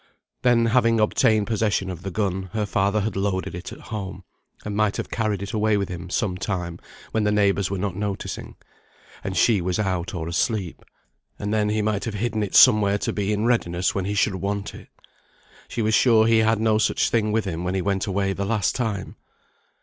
Then having obtained possession of the gun, her father had loaded it at home, and might have carried it away with him some time when the neighbours were not noticing, and she was out, or asleep; and then he might have hidden it somewhere to be in readiness when he should want it. She was sure he had no such thing with him when he went away the last time.